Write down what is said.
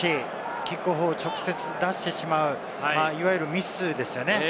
キックを直接出してしまう、いわゆるミスですよね。